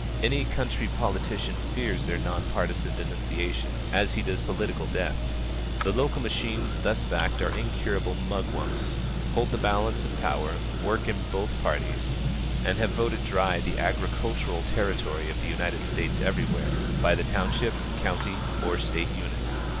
Any country politician fears their non partisan denunciation as he does political death. The local machines thus backed are incurable mugwumps, hold the balance of power, work in both parties, and have voted dry the agricultural territory of the United States everywhere, by the township, county, or state unit.